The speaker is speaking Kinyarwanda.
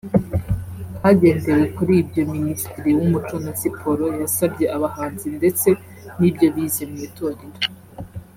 Hagendewe kuri ibyo Minisitiri w’Umuco na Siporo yasabye abahanzi ndetse n’ibyo bize mu itorero